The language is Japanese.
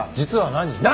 何！？